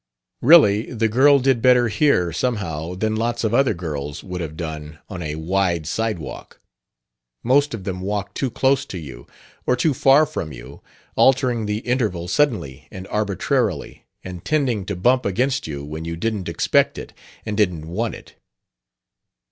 Really, the girl did better here, somehow, than lots of other girls would have done on a wide sidewalk. Most of them walked too close to you, or too far from you, altering the interval suddenly and arbitrarily, and tending to bump against you when you didn't expect it and didn't want it.